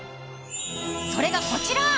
それが、こちら。